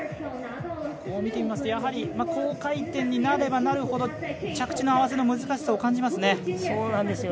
こう見てみますと、やはり高回転になればなるほど着地の合わせの難しさを感じますね。